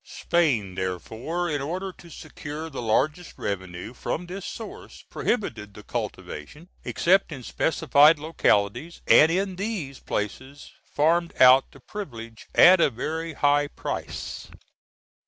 Spain, therefore, in order to secure the largest revenue from this source, prohibited the cultivation, except in specified localities and in these places farmed out the privilege at a very high price.